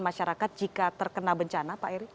masyarakat jika terkena bencana pak eri